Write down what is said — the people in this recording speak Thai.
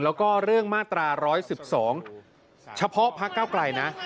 แล้วก็เรื่องมาตรา๑๑๒เฉพาะพักเก้าไกลนะ